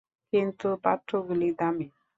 কিন্তু পাত্রগুলি দামি।